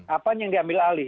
apa yang diambil alih